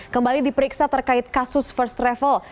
kembali diperiksa terkait kasus first travel